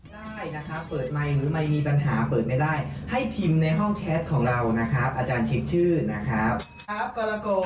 ได้นะครับเปิดไมค์หรือไม่มีปัญหาเปิดไม่ได้